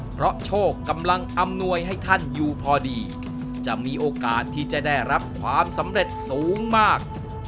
เพราะโชคกำลังอำนวยให้ท่านอยู่พอดีจะมีโอกาสที่จะได้รับความสำเร็จสูงมาก